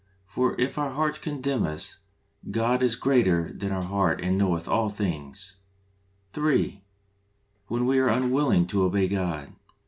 "For if our hearts condemn us, God is greater than our heart and knoweth all things" (i John iii. 20). (3.) When we are unwilling to obey God.